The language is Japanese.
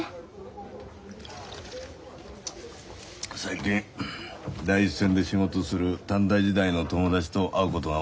最近第一線で仕事する短大時代の友達と会うことが多いんでね